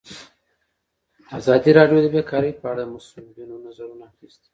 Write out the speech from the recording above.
ازادي راډیو د بیکاري په اړه د مسؤلینو نظرونه اخیستي.